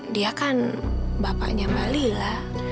dia kan bapaknya mbak lila